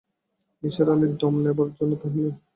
নিসার আলি দম নেবার জন্যে থামলেন।